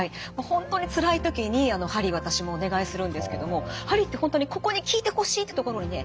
本当につらい時に鍼私もお願いするんですけども鍼って本当に「ここに効いてほしい！」って所にね